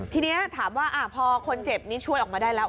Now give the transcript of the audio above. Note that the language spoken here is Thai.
ทีนี้ถามว่าพอคนเจ็บนี้ช่วยออกมาได้แล้ว